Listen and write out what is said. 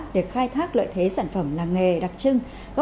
để khai thác lợi thế sản phẩm làng nghề đặc trưng